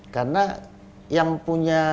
karena yang punya